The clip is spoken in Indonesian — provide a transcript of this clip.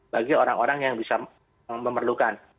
bagi orang orang yang bisa memerlukan